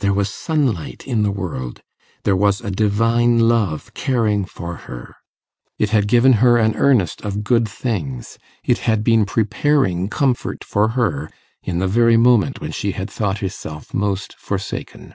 There was sunlight in the world; there was a divine love caring for her; it had given her an earnest of good things: it had been preparing comfort for her in the very moment when she had thought herself most forsaken.